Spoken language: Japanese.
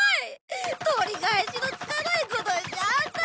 取り返しのつかないことしちゃった！